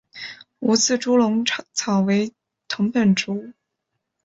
无刺猪笼草为藤本植物。